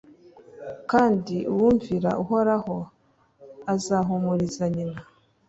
kandi uwumvira uhoraho azahumuriza nyina